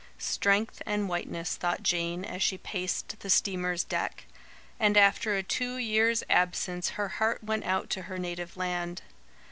"Strength and whiteness," thought Jane as she paced the steamer's deck; and after a two years' absence her heart went out to her native land.